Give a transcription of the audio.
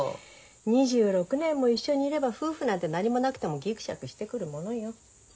２６年も一緒にいれば夫婦なんて何もなくてもギクシャクしてくるものよ。